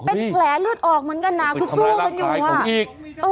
เป็นแผลเลือดออกเหมือนกันนะคือสู้กันอยู่อ่ะอีก